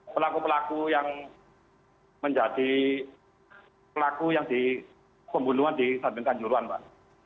pelaku pelaku yang menjadi pelaku yang di pembunuhan di sambingkan juruan mbak